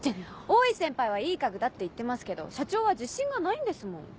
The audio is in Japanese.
大井先輩はいい家具だって言ってますけど社長は自信がないんですもん。